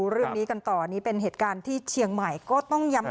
เรื่องนี้กันต่อนี่เป็นเหตุการณ์ที่เชียงใหม่ก็ต้องย้ำ